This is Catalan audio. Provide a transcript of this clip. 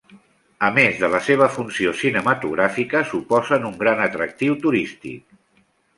A més de la seva funció cinematogràfica, suposen un gran atractiu turístic.